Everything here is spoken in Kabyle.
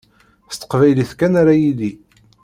S teqbaylit kan ara yili.